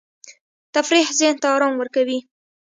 تفریح ذهن ته آرام ورکوي.